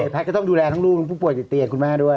แพทย์ก็ต้องดูแลทั้งลูกทั้งผู้ป่วยติดเตียงคุณแม่ด้วย